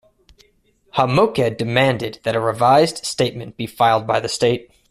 HaMoked demanded that a revised statement be filed by the state.